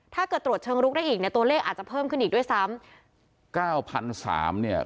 ถ้าเกิดตรวจเชิงรุกได้อีกเนี่ยตัวเลขอาจจะเพิ่มขึ้นอีกด้วยซ้ำ